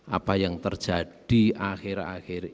apa yang terjadi akhir akhir